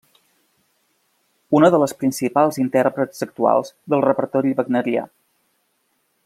Una de les principals intèrprets actuals del repertori wagnerià.